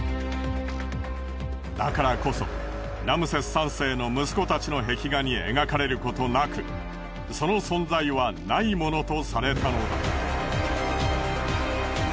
だからこそラムセス３世の息子たちの壁画に描かれることなくその存在はないものとされたのだ。